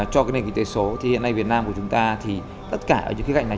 cho cái nền kinh tế số thì hiện nay việt nam của chúng ta thì tất cả ở những cái gạch này